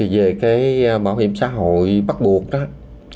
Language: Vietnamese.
về bảo hiểm xã hội bắt buộc